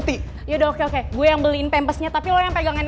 iyaudah oke dua gua yang beliin pempesnya tapi lu yang pegang anak dua ya